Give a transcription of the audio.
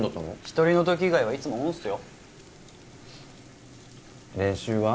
一人の時以外はいつもオンっすよ練習は？